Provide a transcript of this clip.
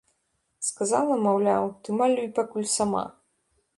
Сказала, маўляў, ты малюй пакуль сама.